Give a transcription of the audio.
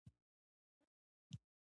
نوموړی په نادعلي ولسوالۍ کې روغتون لري.